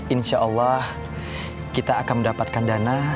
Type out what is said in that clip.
insya allah kita akan mendapatkan dana